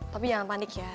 tapi jangan panik ya